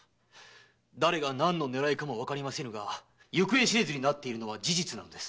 誰が何の狙いかもわかりませぬが行方知れずになっているのは事実なのです。